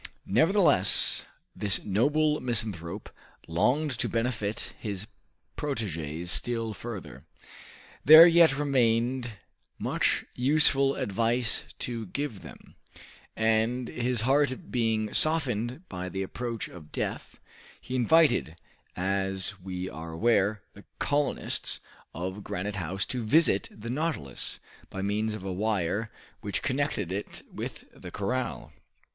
Nevertheless, this noble misanthrope longed to benefit his proteges still further. There yet remained much useful advice to give them, and, his heart being softened by the approach of death, he invited, as we are aware, the colonists of Granite House to visit the "Nautilus," by means of a wire which connected it with the corral.